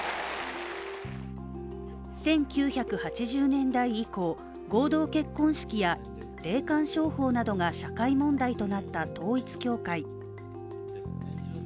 １９８０年以降、合同結婚式や霊感商法などが社会問題となった統一教会。